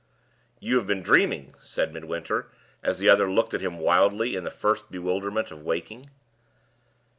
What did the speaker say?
"You have been dreaming," said Midwinter, as the other looked at him wildly, in the first bewilderment of waking.